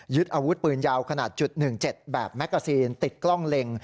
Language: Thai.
อาวุธปืนยาวขนาด๑๗แบบแมกกาซีนติดกล้องเล็ง